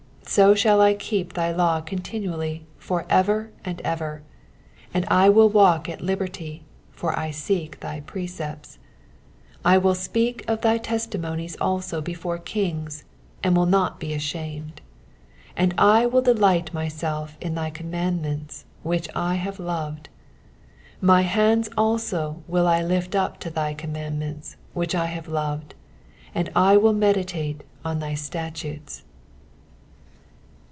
44 So shall I keep thy law continually for ever and ever. 45 And I will walk at liberty : for I seek thy precepts, 46 I will speak of thy testimonies also before kings, and will not be ashamed. 47 And I will delight myself in thy commandments, which I have loved. 48 My hands also will I lift up unto thy commandments, which I have loved ; and I will meditate in thy statutes.